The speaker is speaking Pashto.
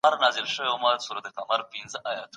د پانګې او کار شریکول ګټور دي.